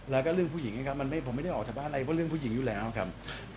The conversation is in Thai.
แล้วก็เรื่องผู้หญิงนะครับผมไม่ได้ออกจากบ้านอะไรเพราะเรื่องผู้หญิงอยู่แล้วครับ